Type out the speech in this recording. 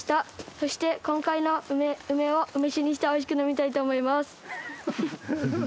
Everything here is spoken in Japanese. そして今回の梅を梅酒にしておいしく飲みたいと思います。